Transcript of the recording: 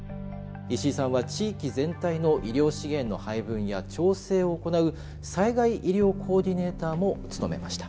石井さんは地域全体の医療資源の配分や調整を行う災害医療コーディネーターも務めました。